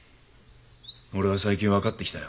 俺は最近分かってきたよ。